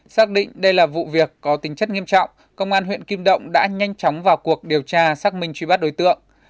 xác định đây là vụ việc có tính chất nghiêm trọng công an huyện kim động đã nhanh chóng vào cuộc điều tra xác minh truy bắt đối tượng